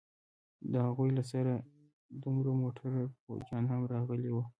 له هغوى سره دوه موټره فوجيان هم راغلي وو.